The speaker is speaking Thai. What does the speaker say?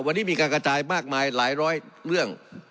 วันนี้มีการกระจายมากมายหลายร้อยเรื่อง